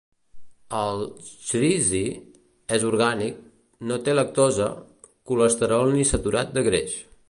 El chreese és orgànic, no té lactosa, colesterol ni saturat de greix.